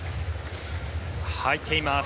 入っています。